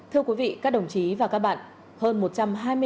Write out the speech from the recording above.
hãy đăng ký kênh để ủng hộ kênh của chúng mình nhé